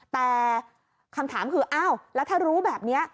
แต่คำถามคืออ้าวแล้วถ้ารู้แบบนี้